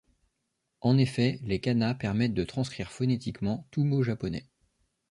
En effet, les kanas permettent de transcrire phonétiquement tout mot japonais.